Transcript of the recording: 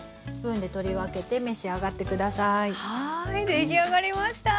出来上がりました。